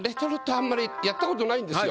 あんまりやった事ないんですよ。